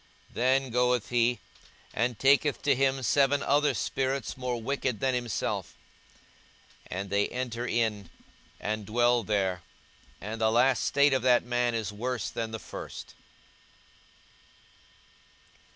42:011:026 Then goeth he, and taketh to him seven other spirits more wicked than himself; and they enter in, and dwell there: and the last state of that man is worse than the first.